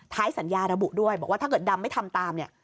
ท้ายสัญญาระบุด้วยบอกว่าถ้าเกิดดำไม่ทำตาม